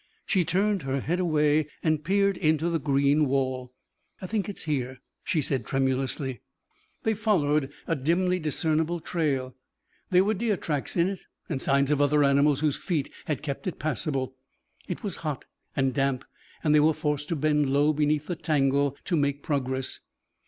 She turned her head away and peered into the green wall. "I think it's here," she said tremulously. They followed a dimly discernible trail; there were deer tracks in it and signs of other animals whose feet had kept it passable. It was hot and damp and they were forced to bend low beneath the tangle to make progress.